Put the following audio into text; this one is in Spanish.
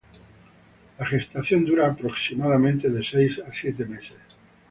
La gestación dura aproximadamente de seis a siete meses.